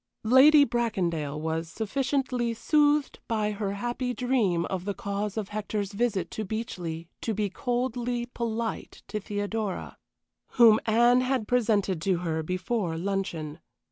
Lady Bracondale was sufficiently soothed by her happy dream of the cause of Hector's visit to Beechleigh to be coldly polite to Theodora, whom Anne had presented to her before luncheon.